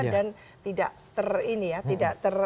dan tidak terakses dan tidak terlihat